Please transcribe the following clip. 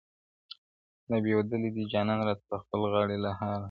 دا پېودلي دي جانان راته د خپل غاړي له هاره,